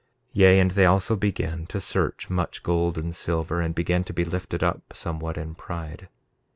1:16 Yea, and they also began to search much gold and silver, and began to be lifted up somewhat in pride.